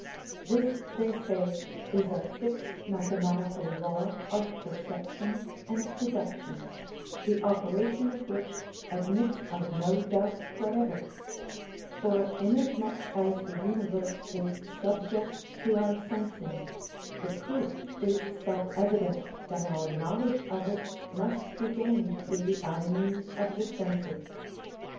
This, they say, is a fixed mathematical law of perception and deduction, the operation of which admits of no doubt whatever; for inasmuch as the universe is subject to our sensing, the proof is self evident that our knowledge of it must be gained through the avenues of the senses.